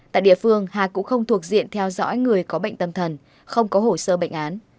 tại địa phương hà cũng không thuộc diện theo dõi người có bệnh tâm thần không có hồ sơ bệnh án